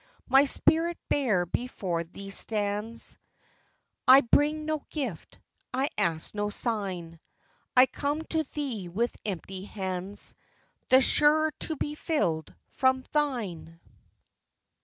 19 7 My spirit bare before Thee stands; I bring no gift, I ask no sign ; I come to Thee with empty hands, The surer to be filled from Thine!